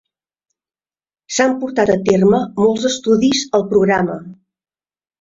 S'han portat a terme molts estudis al programa.